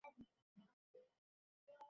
Sam, না!